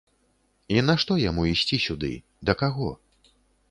І нашто яму ісці сюды, да каго?